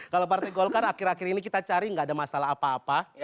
kalau partai gol kan akhir akhir ini kita cari gak ada masalah apa apa